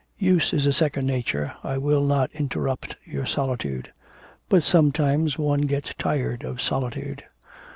'Use is a second nature, I will not interrupt your solitude.' 'But sometimes one gets tired of solitude.'